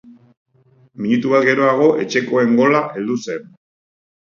Minutu bat geroago etxekoen gola heldu zen.